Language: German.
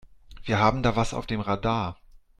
Wir haben da was auf dem Radar.